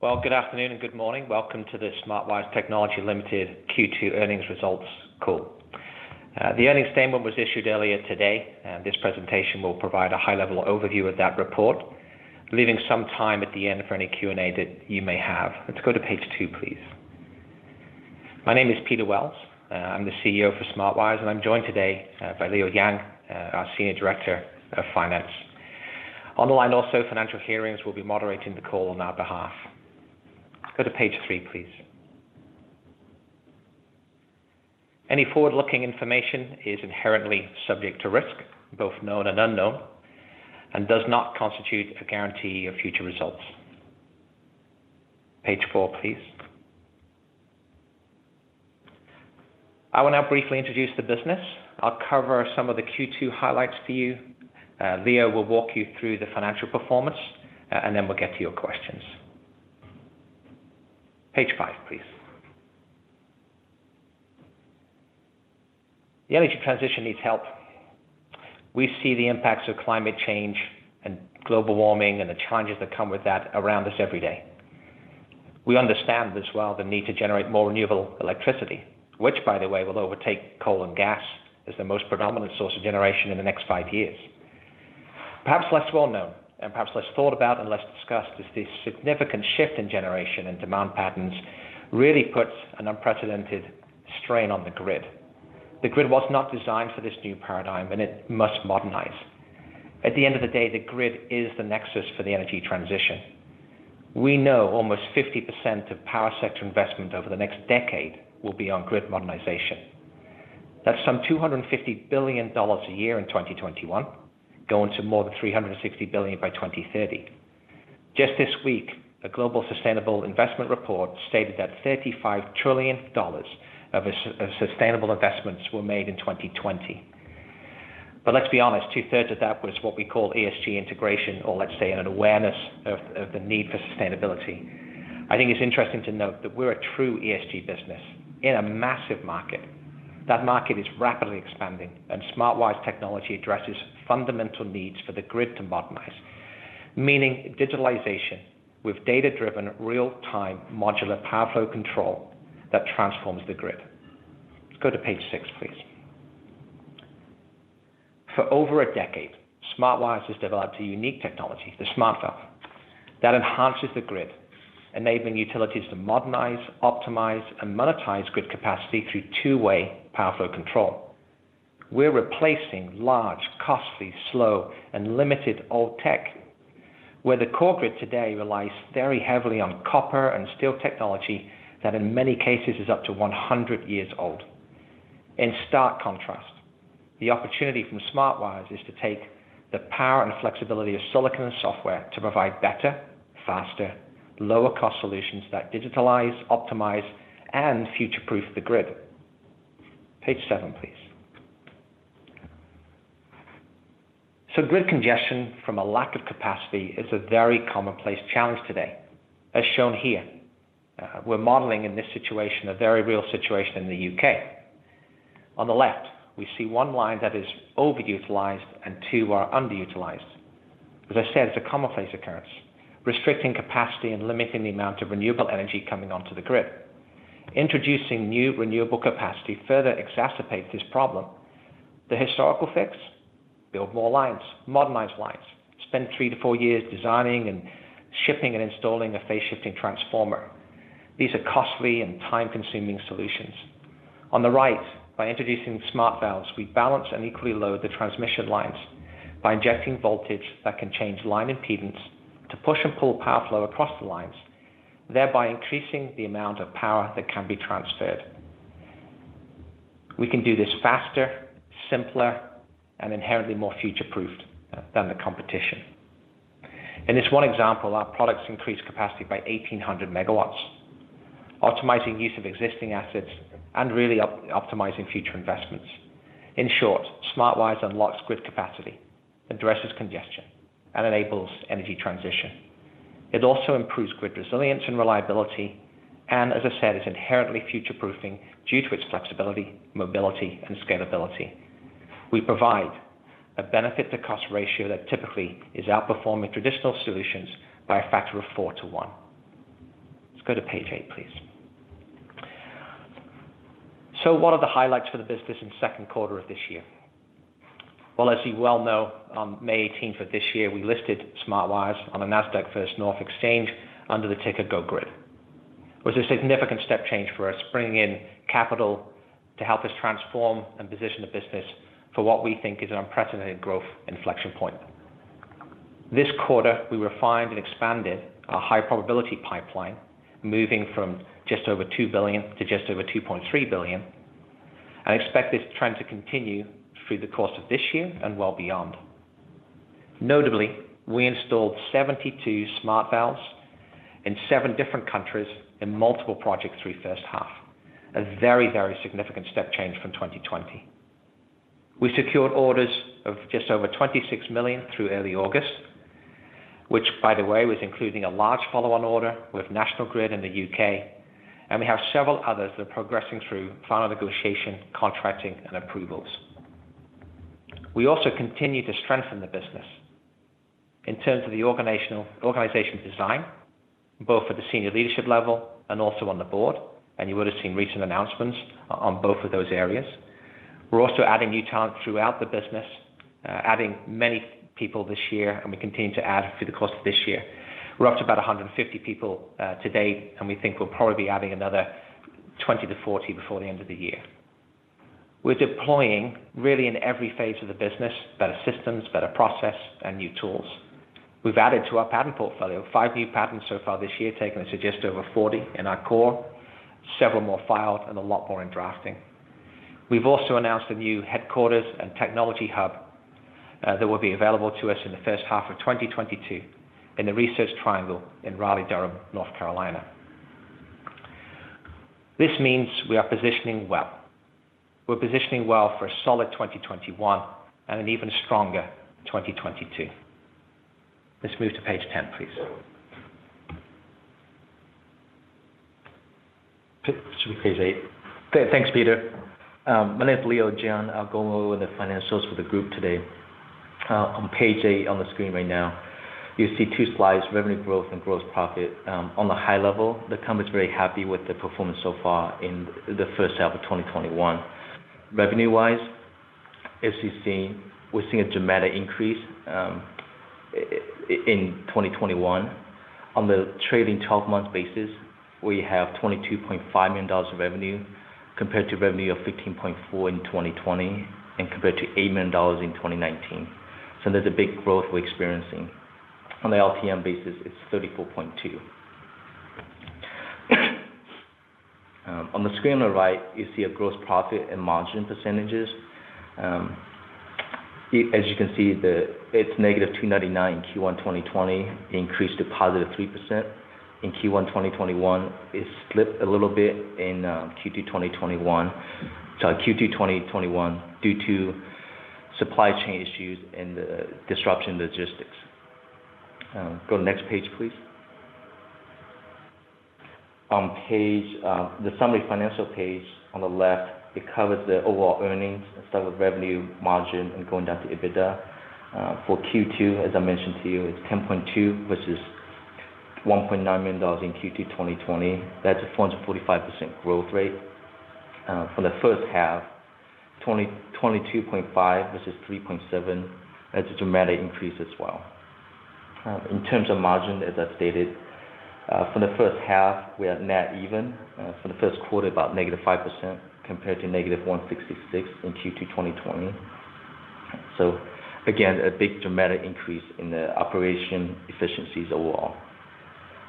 Well, good afternoon. Good morning. Welcome to the Smart Wires Technology Limited Q2 earnings results call. The earnings statement was issued earlier today. This presentation will provide a high-level overview of that report, leaving some time at the end for any Q&A that you may have. Let's go to page two, please. My name is Peter Wells. I'm the CEO for Smart Wires. I'm joined today by Leo Jiang, our Senior Director of Finance. On the line also, Financial Hearings will be moderating the call on our behalf. Let's go to page three, please. Any forward-looking information is inherently subject to risk, both known and unknown. Does not constitute a guarantee of future results. Page four, please. I will now briefly introduce the business. I'll cover some of the Q2 highlights for you. Leo will walk you through the financial performance, and then we'll get to your questions. Page five, please. The energy transition needs help. We see the impacts of climate change and global warming and the challenges that come with that around us every day. We understand this well, the need to generate more renewable electricity, which by the way, will overtake coal and gas as the most predominant source of generation in the next five years. Perhaps less well-known and perhaps less thought about and less discussed is this significant shift in generation and demand patterns really puts an unprecedented strain on the grid. The grid was not designed for this new paradigm, and it must modernize. At the end of the day, the grid is the nexus for the energy transition. We know almost 50% of power sector investment over the next decade will be on grid modernization. That's some $250 billion a year in 2021, going to more than $360 billion by 2030. Just this week, a global sustainable investment report stated that $35 trillion of sustainable investments were made in 2020. Let's be honest, two-thirds of that was what we call ESG integration, or let's say an awareness of the need for sustainability. I think it's interesting to note that we're a true ESG business in a massive market. That market is rapidly expanding and Smart Wires Technology addresses fundamental needs for the grid to modernize, meaning digitalization with data-driven, real-time modular power flow control that transforms the grid. Let's go to page six, please. For over a decade, Smart Wires has developed a unique technology, the SmartValve, that enhances the grid, enabling utilities to modernize, optimize, and monetize grid capacity through two-way power flow control. We're replacing large, costly, slow, and limited old tech, where the core grid today relies very heavily on copper and steel technology that in many cases is up to 100 years old. In stark contrast, the opportunity from Smart Wires is to take the power and flexibility of silicon and software to provide better, faster, lower cost solutions that digitalize, optimize, and future-proof the grid. Page seven, please. Grid congestion from a lack of capacity is a very commonplace challenge today, as shown here. We're modeling in this situation a very real situation in the U.K. On the left, we see one line that is overutilized and two are underutilized. As I said, it's a commonplace occurrence, restricting capacity and limiting the amount of renewable energy coming onto the grid. Introducing new renewable capacity further exacerbates this problem. The historical fix? Build more lines, modernize lines. Spend three to four years designing and shipping and installing a phase-shifting transformer. These are costly and time-consuming solutions. On the right, by introducing SmartValves, we balance and equally load the transmission lines by injecting voltage that can change line impedance to push and pull power flow across the lines, thereby increasing the amount of power that can be transferred. We can do this faster, simpler, and inherently more future-proofed than the competition. In this one example, our products increase capacity by 1,800 MW, optimizing use of existing assets and really optimizing future investments. In short, Smart Wires unlocks grid capacity, addresses congestion, and enables energy transition. It also improves grid resilience and reliability, and as I said, is inherently future-proofing due to its flexibility, mobility, and scalability. We provide a benefit-to-cost ratio that typically is outperforming traditional solutions by a factor of four to one. Let's go to page eight, please. What are the highlights for the business in the second quarter of this year? Well, as you well know, on May 18th of this year, we listed Smart Wires on the Nasdaq First North Growth Market under the ticker GOGRID. It was a significant step change for us, bringing in capital to help us transform and position the business for what we think is an unprecedented growth inflection point. This quarter, we refined and expanded our high-probability pipeline, moving from just over $2 billion to just over $2.3 billion, and expect this trend to continue through the course of this year and well beyond. Notably, we installed 72 SmartValves in seven different countries in multiple projects through the first half. A very, very significant step change from 2020. We secured orders of just over $26 million through early August, which by the way, was including a large follow-on order with National Grid in the U.K., and we have several others that are progressing through final negotiation, contracting, and approvals. We also continue to strengthen the business in terms of the organization design, both at the senior leadership level and also on the board, and you would've seen recent announcements on both of those areas. We're also adding new talent throughout the business, adding many people this year, and we continue to add through the course of this year. We're up to about 150 people to date, and we think we'll probably be adding another 20 to 40 before the end of the year. We're deploying, really in every phase of the business, better systems, better process, and new tools. We've added to our patent portfolio five new patents so far this year, taking us to just over 40 in our core, several more filed, and a lot more in drafting. We've also announced a new headquarters and technology hub that will be available to us in the first half of 2022 in the Research Triangle in Raleigh, Durham, North Carolina. This means we are positioning well. We're positioning well for a solid 2021, and an even stronger 2022. Let's move to page 10, please. Should be page eight. Thanks, Peter. My name's Leo Jiang. I'll go over the financials for the group today. On page eight on the screen right now, you see two slides, revenue growth and gross profit. On the high level, the company's very happy with the performance so far in the first half of 2021. Revenue-wise, as you see, we're seeing a dramatic increase in 2021. On the trailing 12-month basis, we have $22.5 million of revenue compared to revenue of $15.4 million in 2020, and compared to $8 million in 2019. There's a big growth we're experiencing. On the LTM basis, it's $34.2 million. On the screen on the right, you see a gross profit and margin percentages. As you can see, it's -2.99% in Q1 2020, increased to +3% in Q1 2021. It slipped a little bit in Q2 2021 due to supply chain issues and the disruption logistics. Go next page, please. The summary financial page on the left, it covers the overall earnings and start with revenue margin and going down to EBITDA. For Q2, as I mentioned to you, it's $10.2 million, versus $1.9 million in Q2 2020. That's a 445% growth rate. For the first half, $22.5 million versus $3.7 million. That's a dramatic increase as well. In terms of margin, as I stated, for the first half, we are net even. For the first quarter, about -5%, compared to -166% in Q2 2020. Again, a big dramatic increase in the operation efficiencies overall.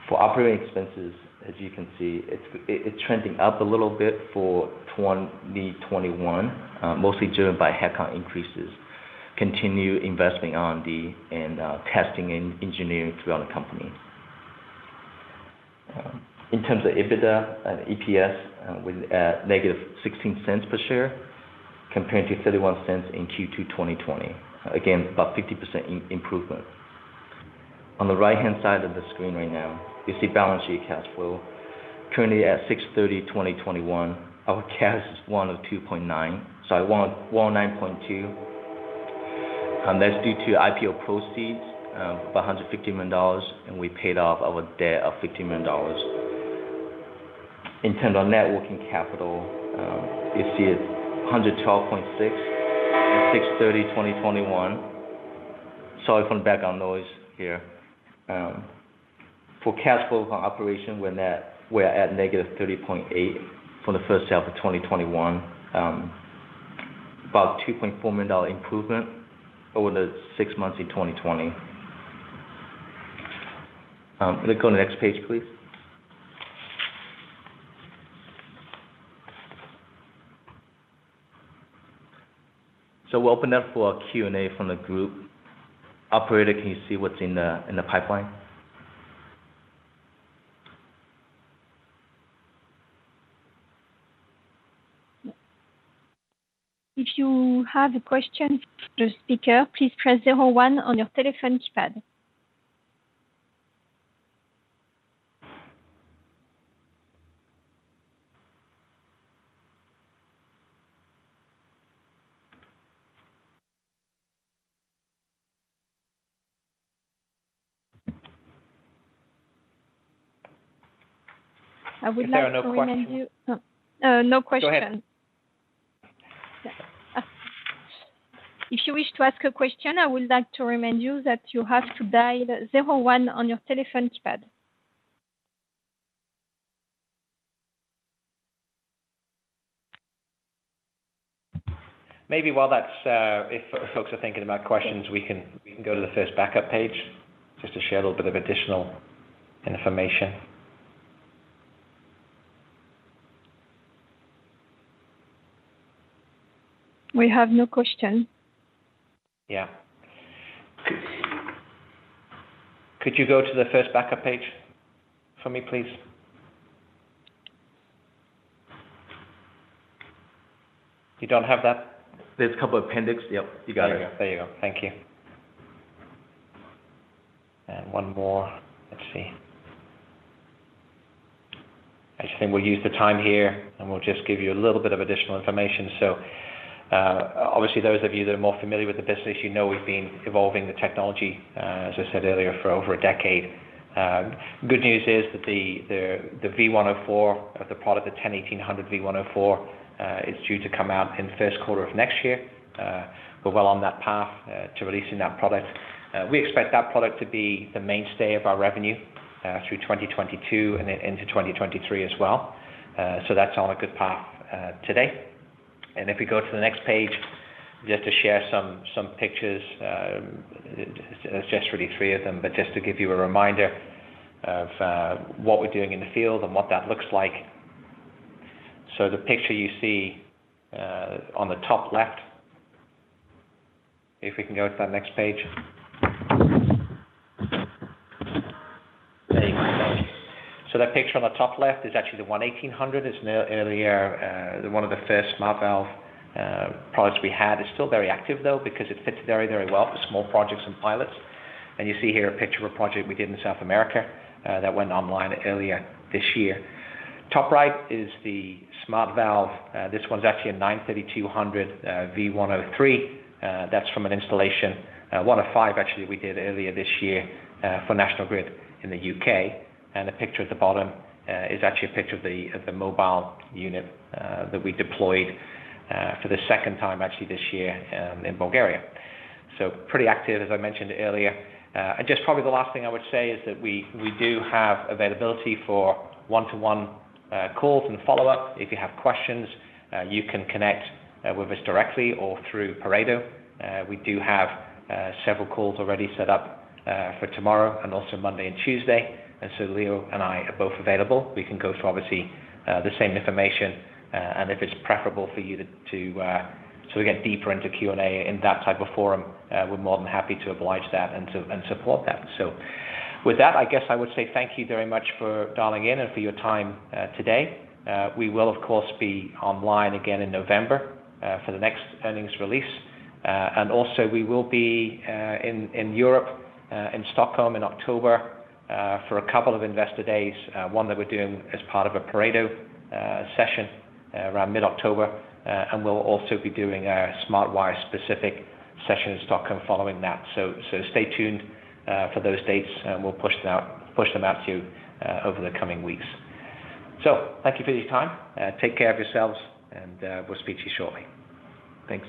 For operating expenses, as you can see, it's trending up a little bit for 2021, mostly driven by headcount increases, continue investing R&D, and testing and engineering throughout the company. In terms of EBITDA and EPS, we're at -$0.16 per share compared to $0.31 in Q2 2020. Again, about 50% improvement. On the right-hand side of the screen right now, you see balance sheet cash flow. Currently at 06/30/2021, our cash is $109.2. That's due to IPO proceeds of $150 million. We paid off our debt of $15 million. In terms of net working capital, you see it's $112.6 at 06/30/2021. Sorry for the background noise here. For cash flow from operation, we're at -$30.8 for the first half of 2021. About a $2.4 million improvement over the six months in 2020. Let's go to the next page, please. We'll open up for Q&A from the group. Operator, can you see what's in the pipeline? If you have a question for the speaker, please press zero one on your telephone keypad. I would like to remind you. Is there a no question? No question. Go ahead. If you wish to ask a question, I would like to remind you that you have to dial zero one on your telephone keypad. Maybe while that's, if folks are thinking about questions, we can go to the first backup page just to share a little bit of additional information. We have no question. Yeah. Could you go to the first backup page for me, please? You don't have that? There's a couple appendix. Yep, you got it. There you go. Thank you. One more. Let's see. I think we'll use the time here, and we'll just give you a little bit of additional information. Obviously, those of you that are more familiar with the business, you know we've been evolving the technology, as I said earlier, for over a decade. Good news is that the V104 of the product, the 10-1800 V104, is due to come out in the first quarter of next year. We're well on that path to releasing that product. We expect that product to be the mainstay of our revenue through 2022 and then into 2023 as well. That's on a good path today. If we go to the next page, just to share some pictures, there's just really three of them, but just to give you a reminder of what we're doing in the field and what that looks like. The picture you see on the top left, if we can go to that next page. There you go. That picture on the top left is actually the 1-1800. It's one of the first SmartValve products we had. It's still very active, though, because it fits very well for small projects and pilots. You see here a picture of a project we did in South America that went online earlier this year. Top right is the SmartValve. This one's actually a 9-3200 V103. That's from an installation, one of five actually we did earlier this year for National Grid in the U.K. The picture at the bottom is actually a picture of the mobile unit that we deployed for the second time actually this year in Bulgaria. Pretty active, as I mentioned earlier. Just probably the last thing I would say is that we do have availability for one-to-one calls and follow-up. If you have questions, you can connect with us directly or through Pareto. We do have several calls already set up for tomorrow and also Monday and Tuesday, and so Leo and I are both available. We can go through, obviously, the same information, and if it's preferable for you to get deeper into Q&A in that type of forum, we're more than happy to oblige that and support that. With that, I guess I would say thank you very much for dialing in and for your time today. We will, of course, be online again in November for the next earnings release. Also we will be in Europe, in Stockholm in October for a couple of investor days, one that we're doing as part of a Pareto Securities session around mid-October. We'll also be doing a Smart Wires specific session in Stockholm following that. Stay tuned for those dates, and we'll push them out to you over the coming weeks. Thank you for your time. Take care of yourselves, and we'll speak to you shortly. Thanks.